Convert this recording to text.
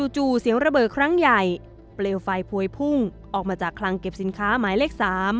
จู่เสียงระเบิดครั้งใหญ่เปลวไฟพวยพุ่งออกมาจากคลังเก็บสินค้าหมายเลข๓